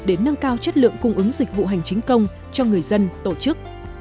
để nâng cao chất lượng cung ứng dịch vụ hành chính công cho người dân tổ chức